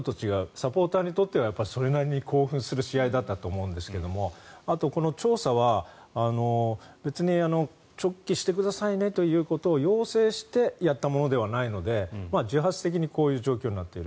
サポーターにとってはそれなりに興奮する試合だったと思うんですがあと、この調査は別に、直帰してくださいねということを要請してやったものではないので自発的にそういう状況になっている。